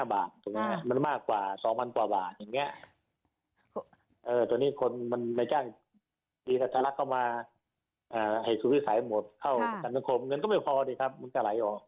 อ๋อ๑๒๕บาทมันมากกว่า๒๐๐๐กว่าบาทอย่างเนี่ยตัวนี้คนมันไม่ได้สลักเข้ามาให้คุณภิกษาให้หมดเข้าประกันสังคมเงินก็ไม่พอดีครับมันจะไหลออก